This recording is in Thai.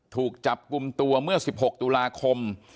ถูกจับกลุ่มตัวเมื่อ๑๖ตุลาคม